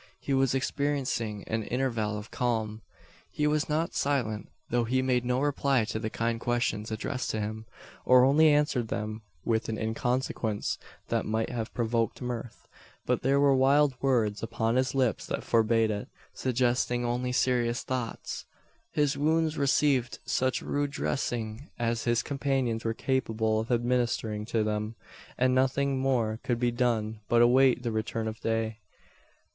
He was experiencing an interval of calm. He was not silent; though he made no reply to the kind questions addressed to him, or only answered them with an inconsequence that might have provoked mirth. But there were wild words upon his lips that forbade it suggesting only serious thoughts. His wounds received such rude dressing as his companions were capable of administering to them; and nothing more could be done but await the return of day.